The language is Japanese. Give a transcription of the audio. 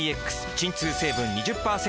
鎮痛成分２０％